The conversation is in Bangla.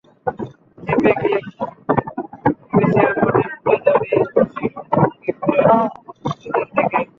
খেপে গিয়ে ফ্যাব্রিসিও মাঠের মধ্যেই দাঁড়িয়েই অশ্লীল অঙ্গভঙ্গি করেন তাদের দিকে।